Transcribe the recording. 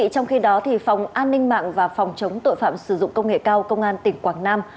trong khi đó phòng an ninh mạng và phòng chống tội phạm sử dụng công nghệ cao công an tỉnh quảng nam